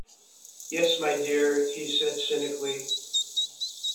Yes my dear, he said cynically.